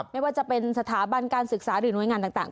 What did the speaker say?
ไม่ว่าจะเป็นสถาบันการศึกษาหรือหน่วยงานต่าง